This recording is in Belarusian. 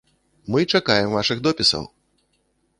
Мы чакаем вашых допісаў!